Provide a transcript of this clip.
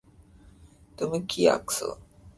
তুমি কি আঁকছো?